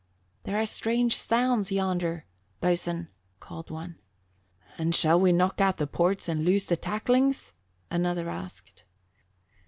"There are strange sounds yonder, boatswain," called one. "And shall we knock out the ports and loose the tacklings?" another asked.